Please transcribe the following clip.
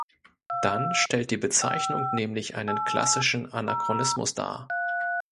Dann stellt die Bezeichnung nämlich einen klassischen Anachronismus dar.